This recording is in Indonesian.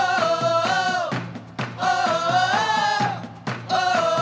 karena ini memang aku